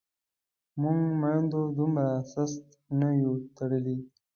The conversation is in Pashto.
موږ میندو دومره سست نه یو تړلي.